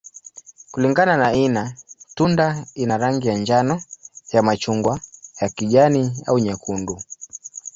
Kulingana na aina, tunda ina rangi ya njano, ya machungwa, ya kijani, au nyekundu.